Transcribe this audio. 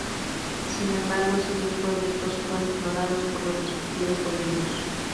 Sin embargo, esos dos proyectos fueron ignorados por los respectivos gobiernos.